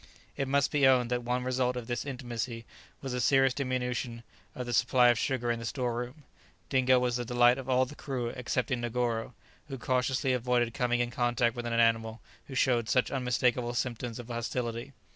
It must be owned that one result of this intimacy was a serious diminution of the supply of sugar in the store room. Dingo was the delight of all the crew excepting Negoro, who cautiously avoided coming in contact with an animal who showed such unmistakable symptoms of hostility.